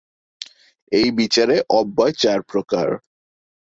এই বিচারে অব্যয় চার প্রকার।